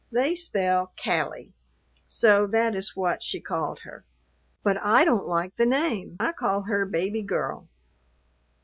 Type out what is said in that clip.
They spell Callie; so that is what she called her. But I don't like the name. I call her Baby Girl."